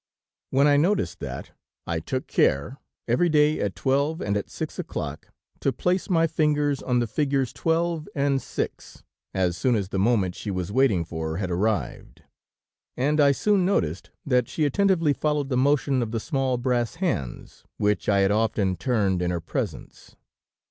"When I noticed that, I took care, every day at twelve and at six o'clock to place my fingers on the figures twelve and six, as soon as the moment she was waiting for, had arrived, and I soon noticed that she attentively followed the motion of the small brass hands, which I had often turned in her presence.